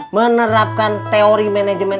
menerapkan teori manajemen ini